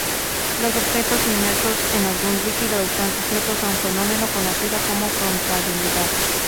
Los objetos inmersos en algún líquido están sujetos a un fenómeno conocido como flotabilidad.